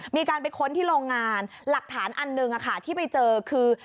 มีการไปค้นที่โรงงานหลักฐานอันหนึ่งที่ไปเจอคือ